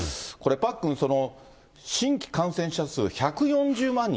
これ、パックン、新規感染者数１４０万